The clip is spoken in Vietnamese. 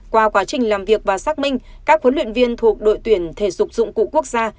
qua quá trình làm việc và xác minh các huấn luyện viên thuộc đội tuyển thể dục dụng cụ quốc gia